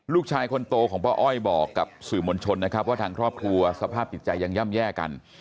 ลูกชายคนโตของป้าอ้อยบอกกับสื่อมวลชนนะครับว่าทางครอบครัวสภาพจิตใจยังย่ำแย่กัน